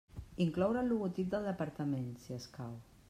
Incloure el logotip del departament, si escau.